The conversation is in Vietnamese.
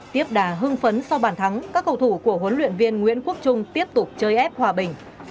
tiếp đà hưng phấn sau bàn thắng các cầu thủ của huấn luyện viên nguyễn quốc trung tiếp tục chơi ép hòa bình